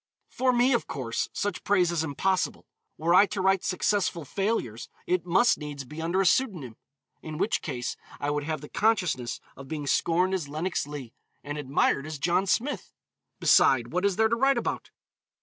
For me, of course, such praise is impossible. Were I to write successful failures, it must needs be under a pseudonym. In which case I would have the consciousness of being scorned as Lenox Leigh, and admired as John Smith. Beside, what is there to write about?